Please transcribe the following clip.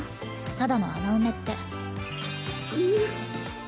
ただの穴埋めって。